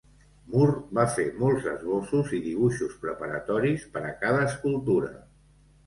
Moore va fer molts esbossos i dibuixos preparatoris per a cada escultura.